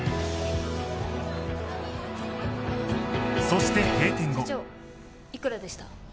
そして閉店後社長いくらでした？